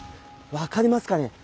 分かりますかね。